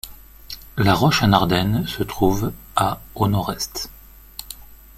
La Roche-en-Ardenne se trouve à au nord-est.